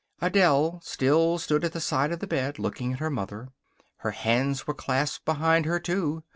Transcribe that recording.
Adele still stood at the side of the bed, looking at her mother. Her hands were clasped behind her, too.